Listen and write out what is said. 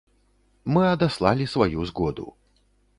Мы адаслалі сваю згоду.